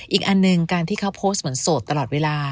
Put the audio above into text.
อีกอันหนึ่งการที่เขาโพสต์เหมือนโสดตลอดเวลา